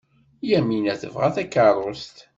Yamina tebɣa takeṛṛust?